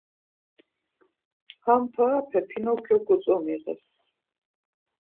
Ham parape Pinokyok gotzomiğes.